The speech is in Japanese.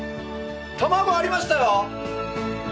卵ありましたよ！